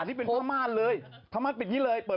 อันนี้เป็นภามารเลยภามารเป็นแบบนี้เลย